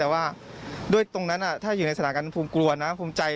แต่ว่าด้วยตรงนั้นถ้าอยู่ในสถานการณ์ภูมิกลัวนะภูมิใจ